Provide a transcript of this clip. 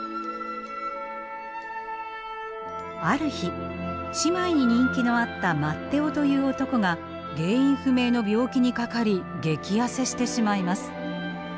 ある日姉妹に人気のあったマッテオという男が原因不明の病気にかかり激痩せしてしまいます。